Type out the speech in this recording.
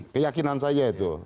keyakinan saya itu